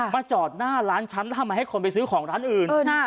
จอดหน้าร้านฉันทำไมให้คนไปซื้อของร้านอื่น